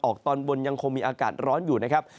ตอนบนยังคงมีอากาศร้อนอยู่นะครับ